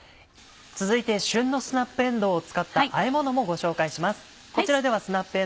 続いて旬のスナップえんどうを使ったあえ物もご紹介します。